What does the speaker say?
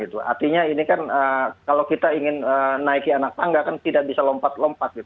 karena ini kan kalau kita ingin naiki anak tangga kan tidak bisa lompat lompat gitu